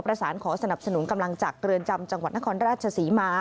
ประสานขอสนับสนุนกำลังจากเรือนจำจังหวัดนครราชศรีมา